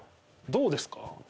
どうですか？